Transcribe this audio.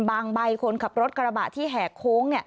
ใบคนขับรถกระบะที่แหกโค้ง